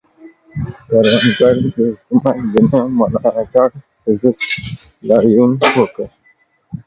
کروندګرو د حکومت د نه ملاتړ پر ضد لاریون وکړ.